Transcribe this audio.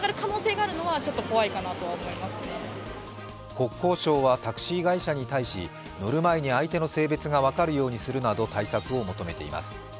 国交省はタクシー会社に対し、乗る前に相手の性別が分かるようにするなど対策を求めています。